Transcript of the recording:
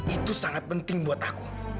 itu sangat penting buat aku